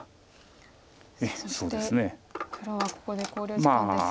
そして黒はここで考慮時間ですが。